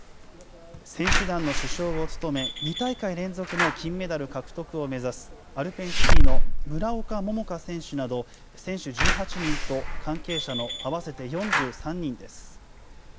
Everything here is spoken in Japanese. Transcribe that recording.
選手団の主将を務め、２大会連続の金メダル獲得を目指すアルペンスキーの村岡桃佳選手など、選手１８人と関係者の合わせて４３人です。